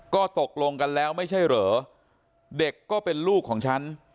ก็ตกลงกันแล้วไม่ใช่เหรอเด็กก็เป็นลูกของฉัน